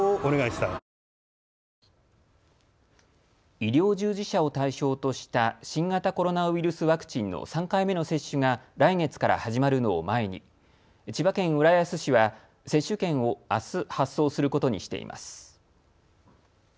医療従事者を対象とした新型コロナウイルスワクチンの３回目の接種が来月から始まるのを前に千葉県浦安市は接種券をあす発送することにしています。